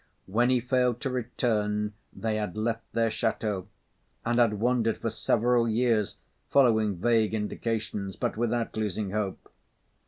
When he failed to return, they had left their ch├óteau; and had wandered for several years, following vague indications but without losing hope.